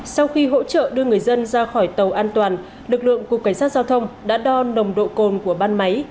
sau khi hỗ trợ đưa người dân ra khỏi tàu an toàn lực lượng cục cảnh sát giao thông đã đo nồng độ cồn của ban máy